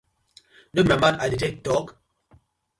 No be my mouth I dey tak tok?